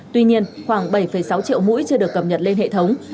tuy nhiên khoảng bảy sáu triệu mũi chưa được cập nhật lên hệ thống